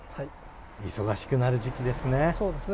忙しくなる時期ですね。